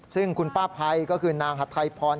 ซึ่งคุณป้าภัยก็คือนางหัดไทยพร